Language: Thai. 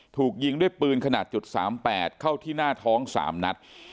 ถูกยิงด้วยปืนขนาด๓๘เข้าที่หน้าท้อง๓นัด